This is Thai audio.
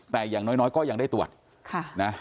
แต่อย่างน้อยก็ยังได้ตรวจค่ะนะ